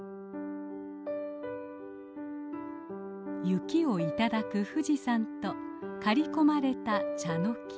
雪を頂く富士山と刈り込まれたチャノキ。